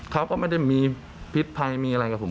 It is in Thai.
เขาก็ไม่ได้มีพิษภัยมีอะไรกับผม